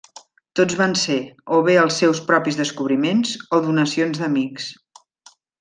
Tots van ser, o bé els seus propis descobriments o donacions d'amics.